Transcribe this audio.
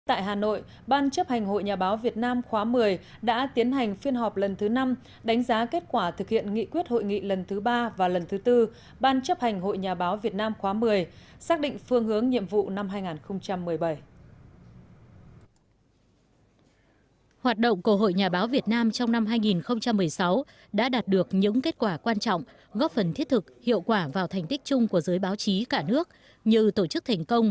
tại hà nội ban chấp hành hội nhà báo việt nam khóa một mươi đã tiến hành phiên họp lần thứ năm đánh giá kết quả thực hiện nghị quyết hội nghị lần thứ ba và lần thứ bốn ban chấp hành hội nhà báo việt nam khóa một mươi xác định phương hướng nhiệm vụ năm hai nghìn một mươi bảy